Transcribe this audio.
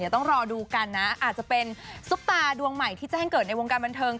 ต้องรอดูกันนะอาจจะเป็นซุปตาดวงใหม่ที่แจ้งเกิดในวงการบันเทิง